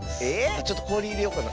ちょっとこおりいれよっかな。